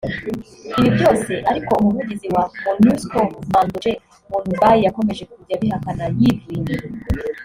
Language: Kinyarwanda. Ibi byose ariko Umuvugizi wa Monusco Madnodje Mounoubai yakomeje kujya abihakana yivuye inyuma